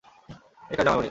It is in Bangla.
রেখা- র জামাই উনি।